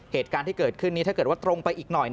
เหตุการณ์ที่เกิดขึ้นนี้ถ้าเกิดว่าตรงไปอีกหน่อย